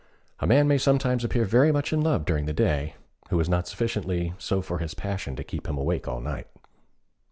A man may sometimes appear very much in love during the day, who is not sufficiently so for his passion to keep him awake all night.